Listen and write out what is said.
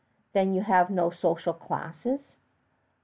"Then you have no social classes?"